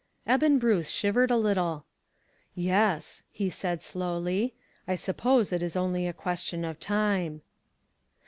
Eben Bruce shivered a little. "Yes," he said slowly, "I suppose it is only a question of time."